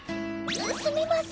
すみません。